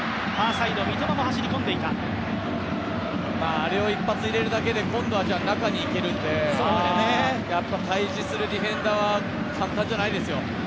あれを一発入れるだけで今度は中に行けるのでやっぱり対峙するディフェンダーは簡単じゃないですよ。